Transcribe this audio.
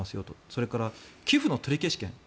それから、寄付の取り消し権。